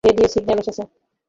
Radio signal এসেছে।